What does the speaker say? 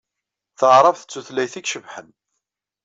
Taɛṛabt d tutlayt ay icebḥen.